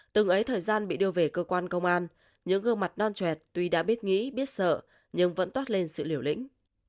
từng ấy thời gian bị đưa về cơ quan công an những gương mặt non trẻ tuy đã biết nghĩ biết sợ nhưng vẫn toát lên sự liều lĩnh